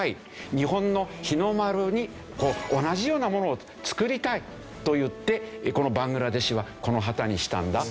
日本の日の丸に同じようなものを作りたいといってバングラデシュはこの旗にしたんだ。